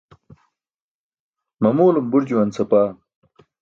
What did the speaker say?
Mamuwlum bur juwan sapaa.